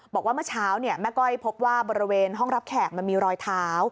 บอกว่าเมื่อเช้าแม่ก้อยพบว่าบริเวณห้องรับแขกมันมีรอยเท้า